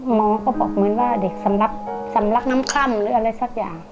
หมอก็บอกเหมือนว่าเด็กสำลักน้ำค่ำหรืออะไรสักอย่าง